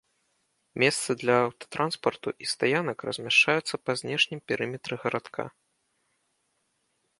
Месцы для аўтатранспарту і стаянак размяшчаюцца па знешнім перыметры гарадка.